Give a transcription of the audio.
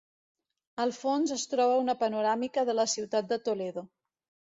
Al fons es troba una panoràmica de la ciutat de Toledo.